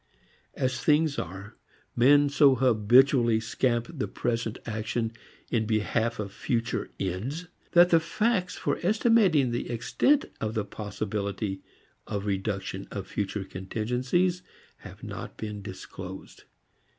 As things are, men so habitually scamp present action in behalf of future "ends" that the facts for estimating the extent of the possibility of reduction of future contingencies have not been disclosed.